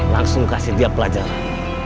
langsung kasih dia pelajaran